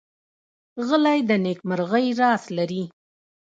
غلی، د نېکمرغۍ راز لري.